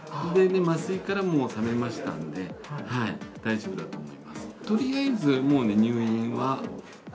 麻酔からも覚めましたんで、大丈夫だと思います。